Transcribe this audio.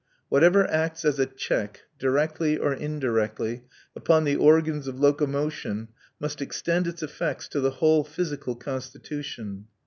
Whatever acts as a check, directly or indirectly, upon the organs of locomotion must extend its effects to the whole physical constitution.